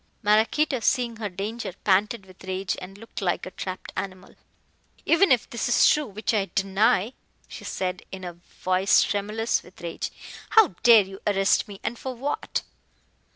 Maraquito, seeing her danger, panted with rage, and looked like a trapped animal. "Even if this is true, which I deny," she said in a voice tremulous with rage, "how dare you arrest me, and for what?"